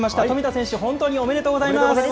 冨田選手、本当におめでとうございます。